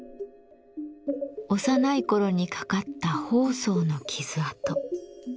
幼い頃にかかった疱瘡の傷痕。